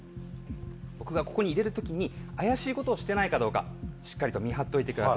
僕がここに入れる時に怪しいことをしてないかどうかしっかりと見張っといてください。